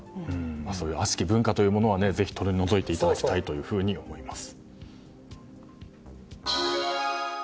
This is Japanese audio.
そういう悪しき文化というものはぜひ取り除いていただきたいと思います。